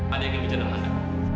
ada yang ingin bicara dengan anda